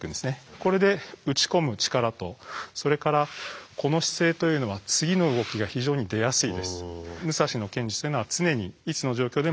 これで打ち込む力とそれからこの姿勢というのは次の動きが非常に出やすいです。